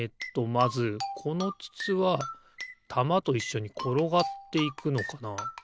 まずこのつつはたまといっしょにころがっていくのかな。